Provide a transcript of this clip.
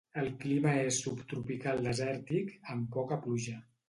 El clima és subtropical desèrtic, amb poca pluja.